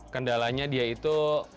kendalanya dia itu